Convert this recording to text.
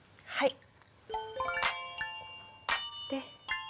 はい。